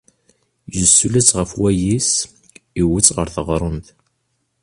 Yessuli-tt ɣef wayis, yuwi-tt ɣer teɣremt.